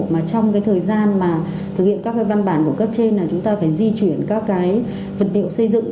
mà trong cái thời gian mà thực hiện các cái văn bản của cấp trên là chúng ta phải di chuyển các cái vật liệu xây dựng